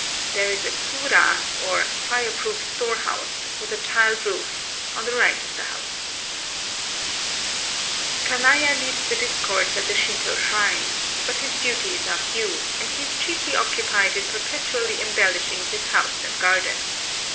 There is a kura, or fire proof storehouse, with a tiled roof, on the right of the house. [Picture: Kanaya's House] Kanaya leads the discords at the Shintô shrines; but his duties are few, and he is chiefly occupied in perpetually embellishing his house and garden.